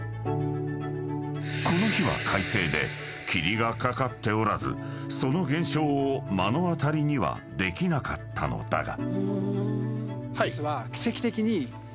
［この日は快晴で霧がかかっておらずその現象を目の当たりにはできなかったのだが］